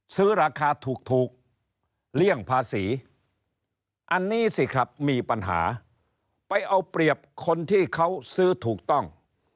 ซื้อราคาถูกเลี่ยงภาษีอันนี้สิครับมีปัญหาไปเอาเปรียบคนที่เขาซื้อถูกต้อง